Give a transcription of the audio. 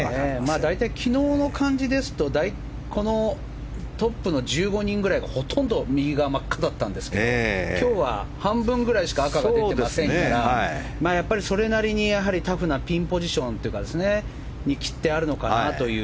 大体、昨日の感じですとトップの１５人ぐらいがほとんど右側、真っ赤だったんですけど今日は半分くらいしか赤が出てませんからやっぱりそれなりにタフなピンポジションに切ってあるのかなという。